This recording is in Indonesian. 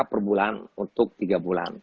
perbulan untuk tiga bulan